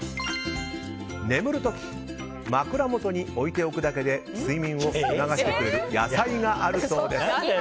寝る時、枕元に置いておくだけで睡眠を促してくれる野菜があるそうです。